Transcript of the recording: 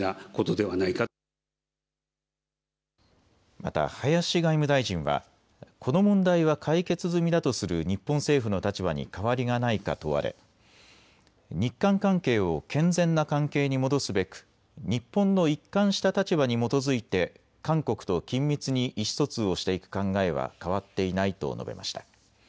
また林外務大臣はこの問題は解決済みだとする日本政府の立場に変わりがないか問われ日韓関係を健全な関係に戻すべく日本の一貫した立場に基づいて韓国と緊密に意思疎通をしていく考えは変わっていないと述べました。